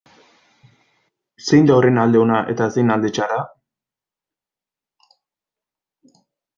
Zein da horren alde ona eta zein alde txarra?